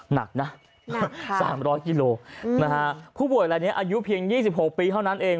หนักนะ๓๐๐กิโลนะฮะผู้ป่วยรายนี้อายุเพียง๒๖ปีเท่านั้นเอง